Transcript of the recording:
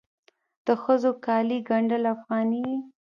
د ښځو کالي ګنډ افغاني وي.